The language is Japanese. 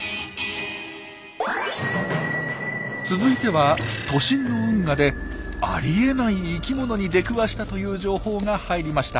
続いては都心の運河でありえない生きものに出くわしたという情報が入りました。